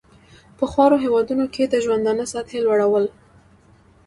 په خوارو هېوادونو کې د ژوندانه سطحې لوړول.